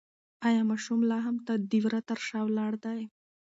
ایا ماشوم لا هم د وره تر شا ولاړ دی؟